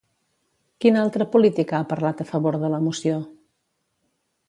Quina altra política ha parlat a favor de la moció?